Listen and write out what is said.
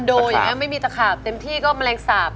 คอนโดยังไงไม่มีตะขาบเต็มที่ก็แมลงสาปอะ